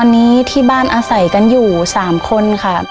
ตอนนี้ที่บ้านอาศัยกันอยู่๓คนค่ะ